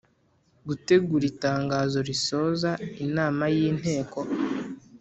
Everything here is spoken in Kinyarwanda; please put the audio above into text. Gutegura itangazo risoza inamay Inteko